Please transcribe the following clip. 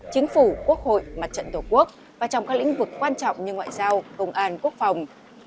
chính phủ quốc hội mặt trận tổ quốc và trong các lĩnh vực quan trọng như ngoại giao công an quốc phòng